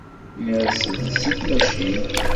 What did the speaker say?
Ners-d seg tmacint.